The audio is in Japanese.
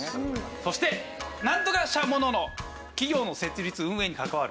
そしてなんとか社もの企業の設立・運営に関わる。